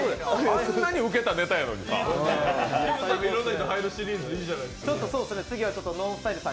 あんなにウケたネタやのにさ。